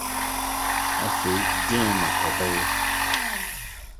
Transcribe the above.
Afei dɛn na ɔbɛyɛ?